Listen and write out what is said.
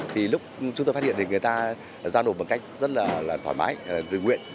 thì lúc chúng tôi phát hiện thì người ta giao nộp bằng cách rất là thoải mái dự nguyện